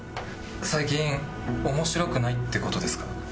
最近面白くないって事ですか？